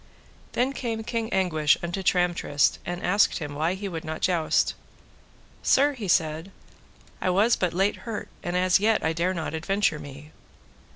Then came King Anguish unto Tramtrist, and asked him why he would not joust. Sir, he said, I was but late hurt, and as yet I dare not adventure me.